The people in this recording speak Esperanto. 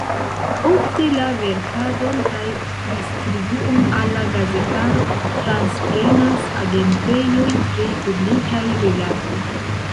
Ofte la verkadon kaj distribuon al la gazetaro transprenas agentejoj pri publikaj rilatoj.